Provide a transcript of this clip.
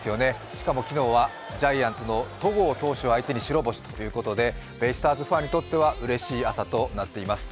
しかも昨日はジャイアンツの戸郷投手も白星ということでベイスターズファンにとってはうれしい朝となっています。